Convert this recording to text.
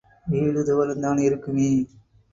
வீடு தோறுந்தான் இருக்குமே.